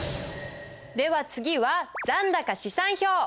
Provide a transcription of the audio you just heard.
では次は残高試算表。